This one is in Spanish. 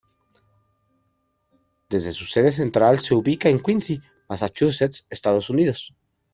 Desde su sede central se ubica en Quincy, Massachusetts, Estados Unidos.